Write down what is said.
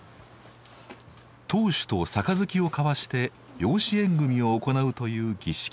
当主と杯を交わして養子縁組を行うという儀式。